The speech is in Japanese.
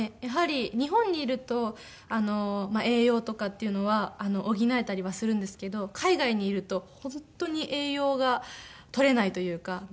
やはり日本にいると栄養とかっていうのは補えたりはするんですけど海外にいると本当に栄養が取れないというか。